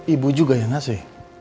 ibu juga ya nasi